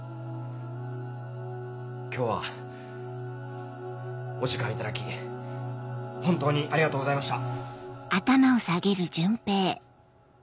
今日はお時間頂き本当にありがとうございました。